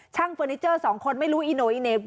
เฟอร์นิเจอร์สองคนไม่รู้อีโนอิเน่